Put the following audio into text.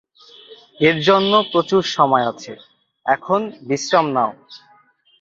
এর জন্য প্রচুর সময় আছে, এখন বিশ্রাম নাও।